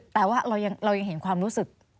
แต่ว่าเรายังเห็นความรู้สึก